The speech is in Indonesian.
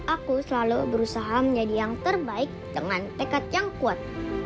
aku selalu berusaha menjadi yang terbaik dengan tekad yang kuat